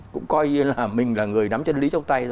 cũng coi như là mình là người nắm chân lý trong tay